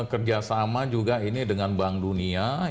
kerjasama juga ini dengan bank dunia